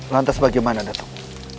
lantas bagaimana datuk